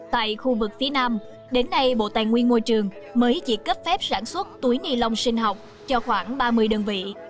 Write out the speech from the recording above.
tại khu vực phía nam đến nay bộ tài nguyên môi trường mới chỉ cấp phép sản xuất túi ni lông sinh học cho khoảng ba mươi đơn vị